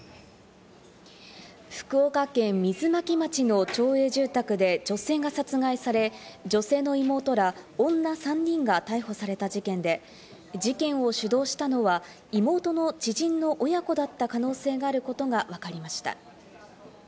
福岡県水巻町の町営住宅で、女性が殺害され、女性の妹ら女３人が逮捕された事件で、事件を主導したのは、妹の知人の親子だった可能性があることがわかりました。